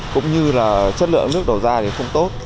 cũng như là chất lượng nước đầu ra thì không tốt